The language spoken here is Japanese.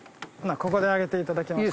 ここであげていただきます。